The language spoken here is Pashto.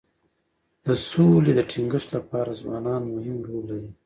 د سولې د ټینګښت لپاره ځوانان مهم رول لري.